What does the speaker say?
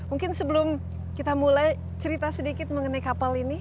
mungkin sebelum kita mulai cerita sedikit mengenai kapal ini